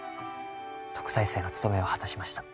特待生の務めは果たしました